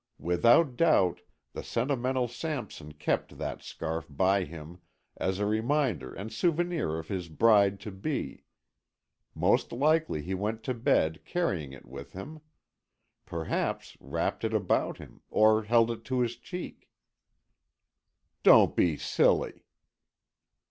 Without doubt, the sentimental Sampson kept that scarf by him as a reminder and souvenir of his bride to be. Most likely, he went to bed, carrying it with him. Perhaps wrapped it about him, or held it to his cheek." "Don't be silly!"